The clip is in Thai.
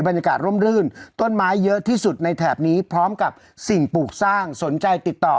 ร่มรื่นต้นไม้เยอะที่สุดในแถบนี้พร้อมกับสิ่งปลูกสร้างสนใจติดต่อ